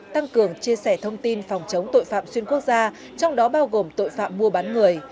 tăng cường chia sẻ thông tin phòng chống tội phạm xuyên quốc gia trong đó bao gồm tội phạm mua bán người